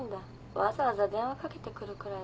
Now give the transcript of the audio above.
わざわざ電話かけてくるくらいだし。